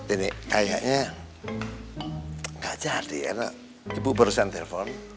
ini kayaknya gak jadi karena ibu baru saja menelepon